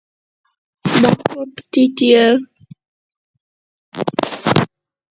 Father was reading a letter from my uncle who lives in Kiev.